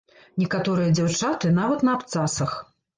Некаторыя дзяўчаты нават на абцасах.